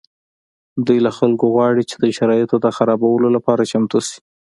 دوی له خلکو غواړي چې د شرایطو د خرابولو لپاره چمتو شي